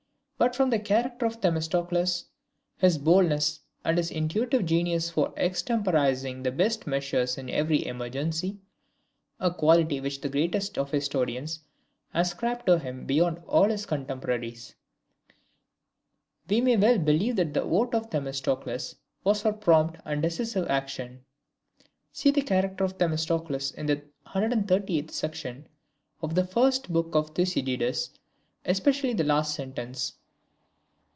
But from the character of Themistocles, his boldness, and his intuitive genius for extemporizing the best measures in every emergency (a quality which the greatest of historians ascribes to him beyond all his contemporaries), we may well believe that the vote of Themistocles was for prompt and decisive action. [See the character of Themistocles in the 138th section of the first book of Thucydides, especially the last sentence.